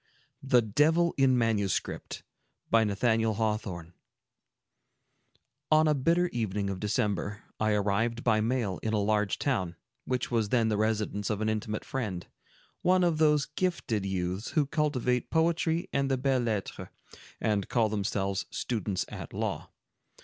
THE DEVIL IN MANUSCRIPT On a bitter evening of December, I arrived by mail in a large town, which was then the residence of an intimate friend, one of those gifted youths who cultivate poetry and the belles lettres, and call themselves students at law.